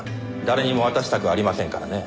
誰にも渡したくありませんからね。